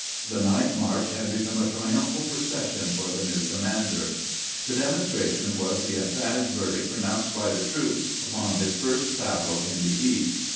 The night march had become a triumphal procession for the new commander. The demonstration was the emphatic verdict pronounced by the troops upon his first battle in the East.